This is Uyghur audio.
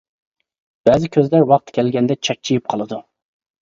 بەزى كۆزلەر ۋاقتى كەلگەندە چەكچىيىپ قالىدۇ.